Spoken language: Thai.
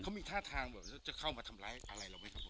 เขามีท่าทางแบบจะเข้ามาทำร้ายอะไรหรือไม่ทำร้าย